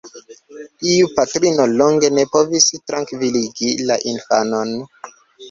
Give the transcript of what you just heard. Iu patrino longe ne povis trankviligi la infanon.